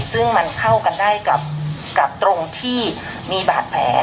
ซึ่งมันเข้ากันได้กับตรงที่มีบาดแผล